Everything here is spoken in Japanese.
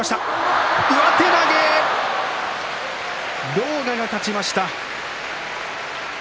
狼雅が勝ちました。